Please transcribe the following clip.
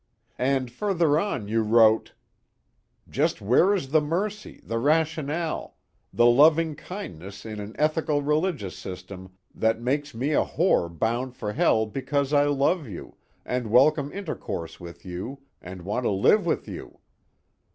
And further on you wrote: 'just where is the mercy, the rationale, the loving kindness in an ethical religious system that makes me a whore bound for hell because I love you and welcome intercourse with you and want to live with you?'